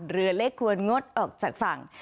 เรือเล็กควรงดออกจากฝั่ง